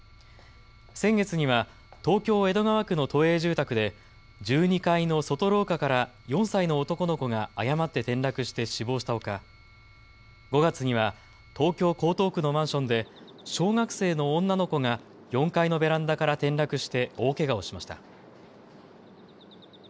先月には東京江戸川区の都営住宅で１２階の外廊下から４歳の男の子が誤って転落して死亡したほか５月には東京江東区のマンションで小学生の女の子が４階のベランダから転落して大けがをしました。